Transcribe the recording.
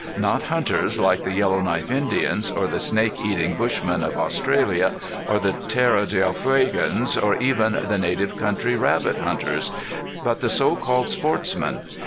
Not hunters like the Yellow Knife Indians, or the snake eating Bushmen of Australia, or the Terra del Fuegians, or even the native country rabbit hunters but the so called sportsmen.